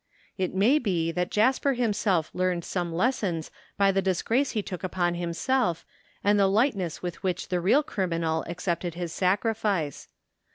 It may be that Jasper himself learned some lessons by the disgrace he took upon himself and the lightness with which the real criminal accepted his sacrifice.